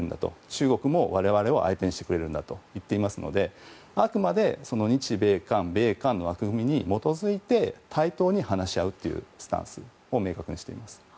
中国も、我々を相手にしてくれると言っているのであくまで日米韓米韓の立場に基づき対等に話し合うというスタンスを明確にしています。